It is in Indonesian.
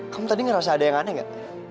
kamu tadi ngerasa ada yang aneh nggak